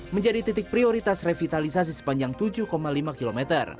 menjadi titik prioritas revitalisasi sepanjang tujuh lima km